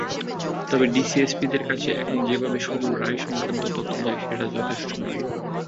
তবে ডিসি-এসপির কাছে এখন যেভাবে শুধু রায়সংক্রান্ত তথ্য যায় সেটা যথেষ্ট নয়।